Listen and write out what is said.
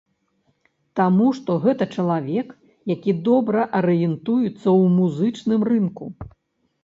Таму што гэта чалавек, які добра арыентуецца ў музычным рынку.